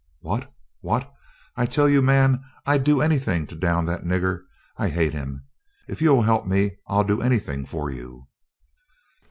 "What what I tell you man, I'd I'd do anything to down that nigger. I hate him. If you'll help me I'll do anything for you."